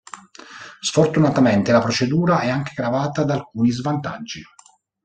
Sfortunatamente la procedura è anche gravata da alcuni svantaggi.